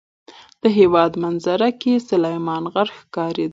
د هېواد منظره کې سلیمان غر ښکاره دی.